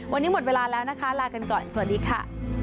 วันนี้หมดเวลาแล้วนะคะลากันก่อนสวัสดีค่ะ